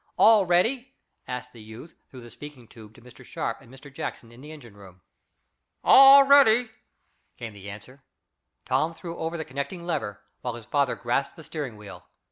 "All ready?" asked the youth through the speaking tube to Mr. Sharp and Mr. Jackson in the engine room. "All ready," came the answer. Tom threw over the connecting lever, while his father grasped the steering wheel.